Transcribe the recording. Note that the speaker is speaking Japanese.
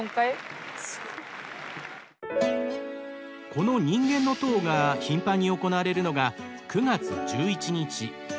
この「人間の塔」が頻繁に行われるのが９月１１日。